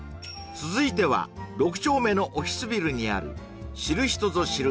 続いては６丁目のオフィスビルにある知る人ぞ知る